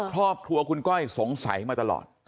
ครอบครัวคุณก้อยสงสัยมาตลอด